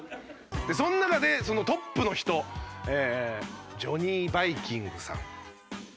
その中でトップの人ジョニー・バイキングさんっていうね